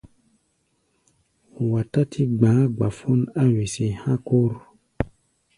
Wa tátí gba̧á̧ gbafón á wesé há̧ kór.